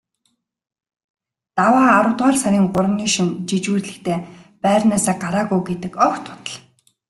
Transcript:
Даваа аравдугаар сарын гуравны шөнө жижүүрлэхдээ байрнаасаа гараагүй гэдэг огт худал.